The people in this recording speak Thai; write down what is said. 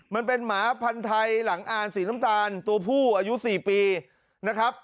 มันเป็นหมาพันธุ์ไทยหลังอ่านสีน้ำตาลตัวผู้อายุ๔ปีนะครับ